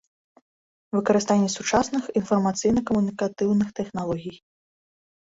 Выкарыстанне сучасных iнфармацыйна-камунiкатыўных тэхналогiй.